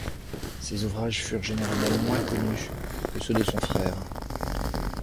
Ses ouvrages furent généralement moins connus que ceux de son frère.